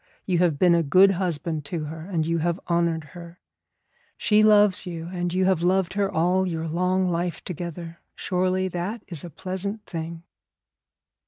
You have been a good husband to her, and you have honoured her. She loves you, and you have loved her all your long life together. Surely that is a pleasant thing.'